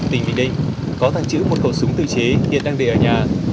tỉnh bình định có tàng trữ một khẩu súng tự chế hiện đang để ở nhà